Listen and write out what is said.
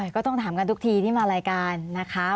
ก็ต้องถามกันทุกทีที่มารายการนะคะ